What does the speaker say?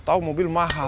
gak tau mobil mahal